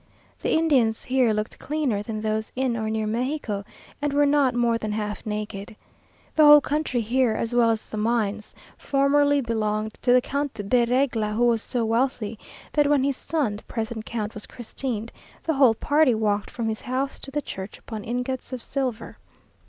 The Indians here looked cleaner than those in or near Mexico, and were not more than half naked. The whole country here, as well as the mines, formerly belonged to the Count de Regla, who was so wealthy, that when his son, the present count, was christened, the whole party walked from his house to the church upon ingots of silver.